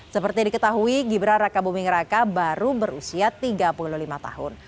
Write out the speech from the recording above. seperti diketahui gibran raka buming raka baru berusia tiga puluh lima tahun